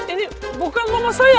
ini bukan mama saya